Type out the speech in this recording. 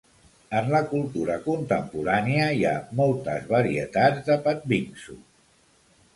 En la cultura contemporània hi ha moltes varietats de patbingsu.